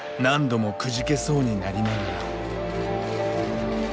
何度もくじけそうになりながら。